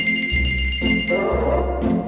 ibu menunggu kemampuan itu